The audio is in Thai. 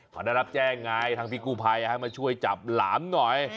เขาได้รับแจ้งไงทางพี่กู้ภัยให้มาช่วยจับหลามหน่อย